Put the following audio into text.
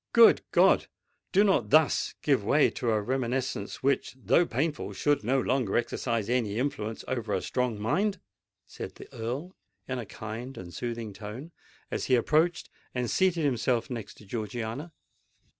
"Good God! do not thus give way to a reminiscence which, though painful, should no longer exercise any influence over a strong mind!" said the Earl, in a kind and soothing tone, as he approached and seated himself next to Georgiana.